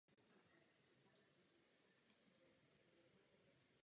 Podporuji zlepšení evropského minimálního standardu ochrany mateřství.